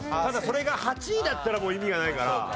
ただそれが８位だったらもう意味がないから。